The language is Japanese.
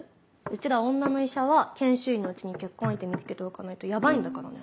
うちら女の医者は研修医のうちに結婚相手見つけておかないとヤバいんだからね。